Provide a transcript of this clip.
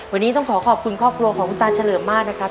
วันนี้ต้องขอขอบคุณครอบครัวของคุณตาเฉลิมมากนะครับ